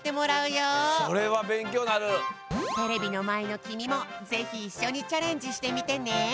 テレビのまえのきみもぜひいっしょにチャレンジしてみてね。